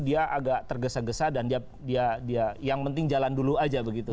dia agak tergesa gesa dan dia yang penting jalan dulu aja begitu